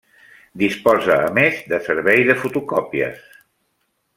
Disposa, a més, de servei de fotocòpies.